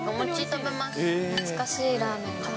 懐かしいラーメン。